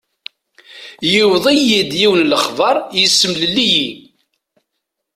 Yewweḍ-iyi-d yiwen n lexbar, yessemlelli-yi.